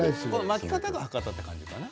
巻き方が博多という感じかな。